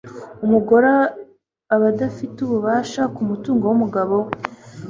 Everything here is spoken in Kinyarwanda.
umugore aba adafite ububasha ku mutungo w'umugabo we